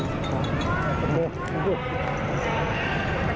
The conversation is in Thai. เพราะตอนนี้ก็ไม่มีเวลาให้เข้าไปที่นี่